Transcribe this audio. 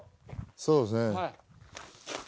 そうですね。